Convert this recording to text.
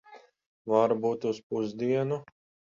Varbūt uz pusdienu.